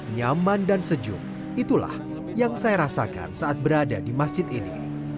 nyaman dan sejuk itulah yang saya rasakan saat berada di masjid ini